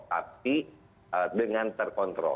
tapi dengan terkontrol